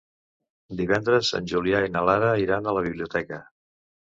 Divendres en Julià i na Lara iran a la biblioteca.